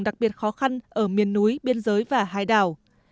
đặc biệt khó khăn ở miền núi biên giới và hải đảo